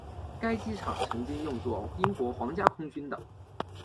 该机场曾经用作英国皇家空军的。